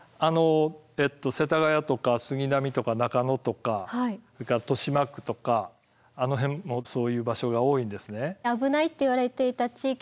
世田谷とか杉並とか中野とかそれから豊島区とかあの辺もそういう場所が多いんですね。